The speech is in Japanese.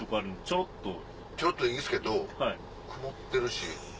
ちょろっといいですけど曇ってるし。